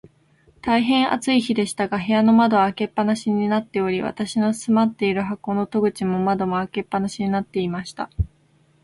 大へん暑い日でしたが、部屋の窓は開け放しになっており、私の住まっている箱の戸口も窓も、開け放しになっていました。